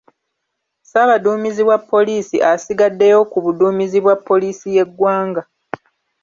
Ssaabaduumizi wa poliisi asigaddeyo ku buduumizi bwa poliisi y’eggwanga.